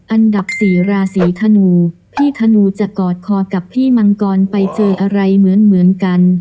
อันดับสี่ราศีธนูพี่ธนูจะกอดคอกับพี่มังกรไปเจออะไรเหมือนเหมือนกัน